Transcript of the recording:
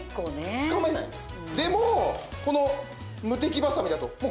つかめないんです。